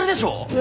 え？